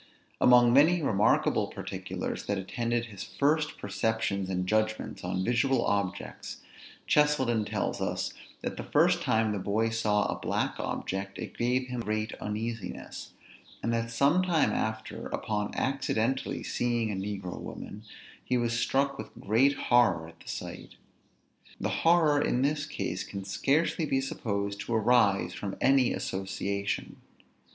Among many remarkable particulars that attended his first perceptions and judgments on visual objects, Cheselden tells us, that the first time the boy saw a black object, it gave him great uneasiness; and that some time after, upon accidentally seeing a negro woman, he was struck with great horror at the sight. The horror, in this case, can scarcely be supposed to arise from any association.